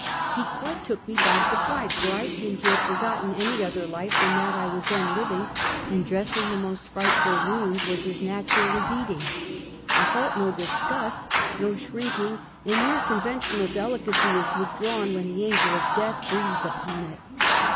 " He quite took me by surprise, for I seemed to have forgotten any other life than that I was then living; and dressing the most frightful wounds was as natural as eating. I felt no disgust, no shrinking, and mere conventional delicacy is withdrawn when the Angel of Death breathes upon it.